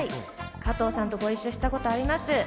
加藤さんとご一緒したことあります。